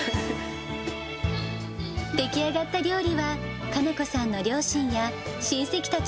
出来上がった料理は、可奈子さんの両親や親戚たち